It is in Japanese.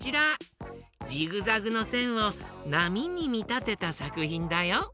ジグザグのせんをなみにみたてたさくひんだよ。